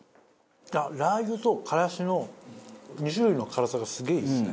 ラー油とからしの２種類の辛さがすげえいいですね。